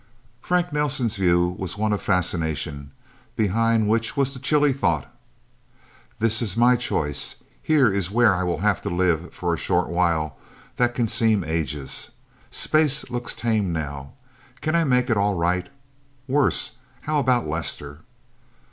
Frank Nelsen's view was one of fascination, behind which was the chilly thought: This is my choice; here is where I will have to live for a short while that can seem ages. Space looks tame, now. Can I make it all right? Worse _how about Lester?